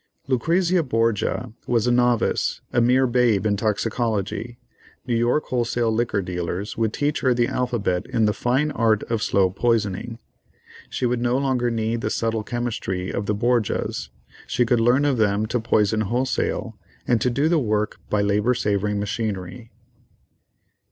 Lucrezia Borgia was a novice, a mere babe in toxicology. New York wholesale liquor dealers could teach her the alphabet in the fine art of slow poisoning. She would no longer need the subtle chemistry of the Borgias; she could learn of them to poison wholesale and to do the work by labor saving machinery.